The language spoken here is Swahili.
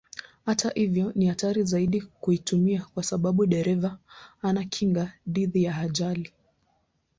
Hata hivyo ni hatari zaidi kuitumia kwa sababu dereva hana kinga dhidi ya ajali.